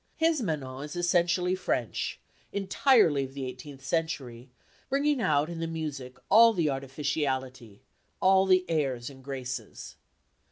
His Manon is essentially French, entirely of the eighteenth century, bringing out in the music all the artificiality, all the airs and graces.